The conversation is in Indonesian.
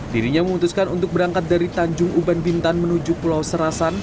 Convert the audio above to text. dirinya memutuskan untuk berangkat dari tanjung uban bintan menuju pulau serasan